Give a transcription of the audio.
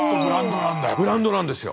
ブランドなんですよ。